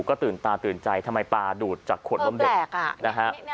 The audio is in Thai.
ก็ตื่นตาตื่นใจทำไมปลาดูดจากขวดนมเด็กนะฮะ